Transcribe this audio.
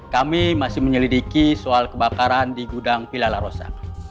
kami masih menyelidiki soal kebakaran di gudang villa la rosa